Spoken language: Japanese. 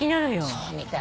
そうみたい。